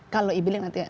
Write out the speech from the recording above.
kalau e filing nanti ya